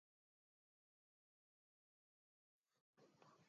Two barges are sunk off the wharf.